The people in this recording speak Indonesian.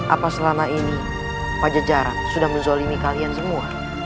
apa selama ini pajak jarak sudah menzolimi kalian semua